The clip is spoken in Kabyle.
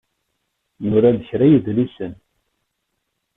Nura-d kraḍ n yidlisen.